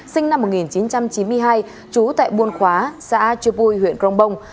sinh năm một nghìn chín trăm chín mươi hai trú tại buôn khóa xã chiu pui huyện cronbong